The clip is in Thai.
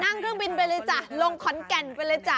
นั่งเครื่องบินไปเลยจ้ะลงขอนแก่นไปเลยจ้ะ